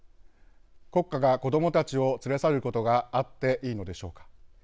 国家が子どもたちを連れ去ることがあっていいのでしょうか。